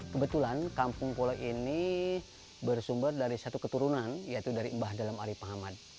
kebetulan kampung pulau ini bersumber dari satu keturunan yaitu dari embah dalam arif muhammad